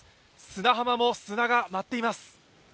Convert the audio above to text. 砂浜も砂が舞っています。